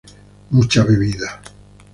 Mucha bebida.